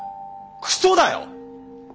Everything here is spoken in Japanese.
クソだよ！